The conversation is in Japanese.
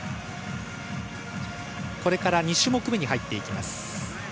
これから２種目目に入っていきます。